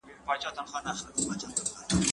له هغوی سره تر يو ځای کيدلو وروسته ئې هغوی معاف کړل.